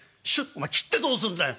「お前切ってどうすんだよ」。